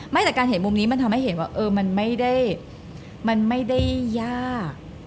ไม่แต่การเห็นมุมนี้มันทำให้เห็นว่ามันไม่ได้ยาก